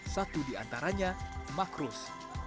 satu diantaranya makrus